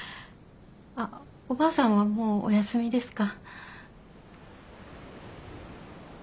あっおばあさんはもうお休みですか？